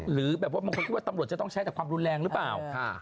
หรือแบบว่าบางคนคิดว่าตำรวจจะต้องใช้แต่ความรุนแรงหรือเปล่า